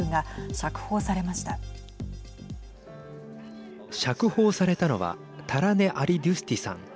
釈放されたのはタラネ・アリドゥスティさん。